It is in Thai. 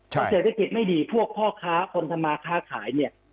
ถ้าเศรษฐกิจไม่ดีพวกพ่อค้าคนทำมาค้าขายเนี่ย